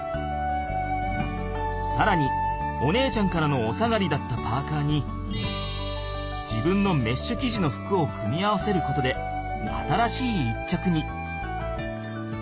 さらにお姉ちゃんからのお下がりだったパーカーに自分のメッシュきじの服を組み合わせることで新しい一着に！